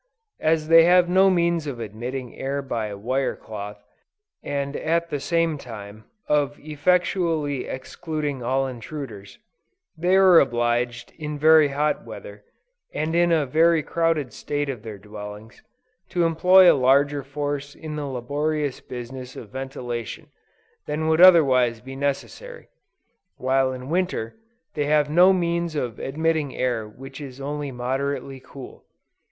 As they have no means of admitting air by wire cloth, and at the same time, of effectually excluding all intruders, they are obliged in very hot weather, and in a very crowded state of their dwellings, to employ a larger force in the laborious business of ventilation, than would otherwise be necessary; while in Winter, they have no means of admitting air which is only moderately cool.